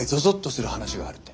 する話があるって。